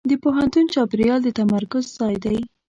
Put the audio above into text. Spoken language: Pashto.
د پوهنتون چاپېریال د تمرکز ځای دی.